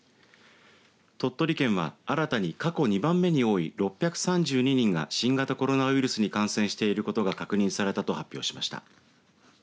鳥取県は新たに過去２番目に多い６３２人が新型コロナウイルスに感染していることが確認されたと発表しました。